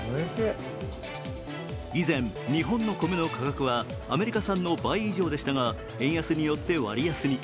以前、日本の米の価格はアメリカ産の倍以上でしたが円安によって割安に。